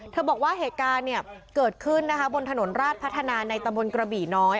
เธอบอกว่าเหตุการณ์เกิดขึ้นบนถนนราชพัฒนาในตำรวจกระบิน้อย